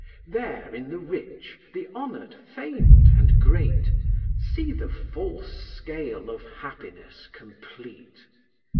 There, in the rich, the honoured, famed, and great, See the false scale of happiness complete!